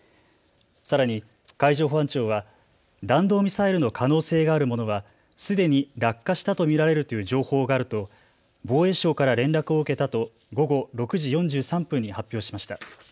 さらに海上保安庁は弾道ミサイルの可能性があるものはすでに落下したと見られるという情報があると防衛省から連絡を受けたと午後６時４３分に発表しました。